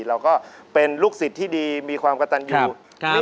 เราก็เป็นลูกศิษย์ที่ดีมีความกระตันอยู่